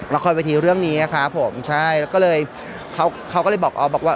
ละครเวทีเรื่องนี้ครับผมใช่แล้วก็เลยเขาเขาก็เลยบอกออฟบอกว่า